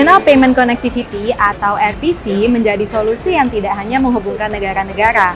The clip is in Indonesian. final payment connectivity atau rpc menjadi solusi yang tidak hanya menghubungkan negara negara